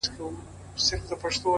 مهرباني د انسانیت خاموشه نغمه ده؛